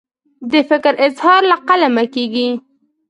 د فکر اظهار له قلمه کیږي.